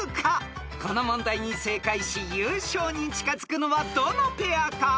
［この問題に正解し優勝に近づくのはどのペアか？］